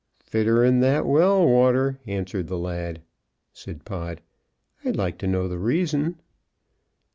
"Fitter'n that well water," answered the lad. Said Pod: "I'd like to know the reason."